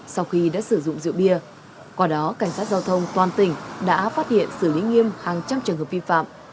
sau khi đã sử dụng rượu bia qua đó cảnh sát giao thông toàn tỉnh đã phát hiện xử lý nghiêm hàng trăm trường hợp vi phạm